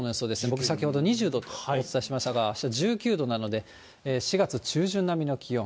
僕、さっき、２０度とお伝えしましたが、あしたは１９度なので、４月中旬並みの気温。